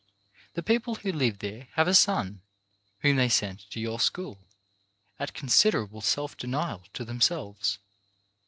" The people who live there have a son whom they sent to your school, at considerable self denial to themselves.